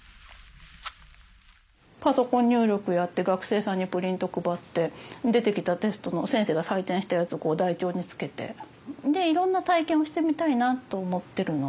パソコン入力やって学生さんにプリント配って出てきたテストの先生が採点したやつをこう台帳につけて。でいろんな体験をしてみたいなと思ってるので。